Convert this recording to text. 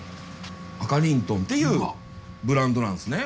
あかりんとんっていうブランドなんですね。